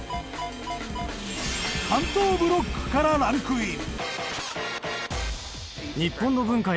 関東ブロックからランクイン。